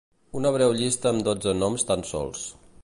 Una breu llista amb dotze noms tan sols.